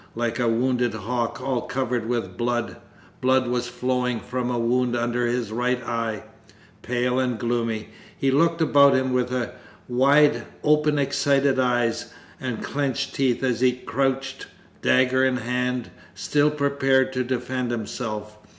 Like a wounded hawk all covered with blood (blood was flowing from a wound under his right eye), pale and gloomy, he looked about him with wide open excited eyes and clenched teeth as he crouched, dagger in hand, still prepared to defend himself.